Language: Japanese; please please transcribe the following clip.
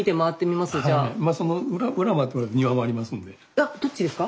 あどっちですか？